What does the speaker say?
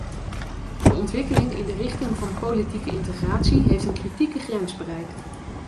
De ontwikkeling in de richting van politieke integratie heeft een kritieke grens bereikt.